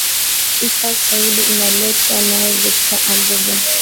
ifa zaidi inaletwa naye victor ambuga